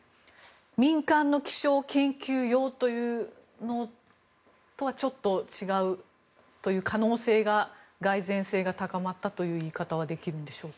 民間の気象研究用とはちょっと違うという可能性ががい然性が高まったという言い方はできるんでしょうか。